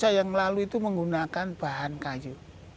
di masa yang lalu itu menggunakan bahan kayu